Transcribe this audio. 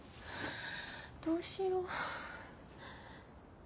どうしよう。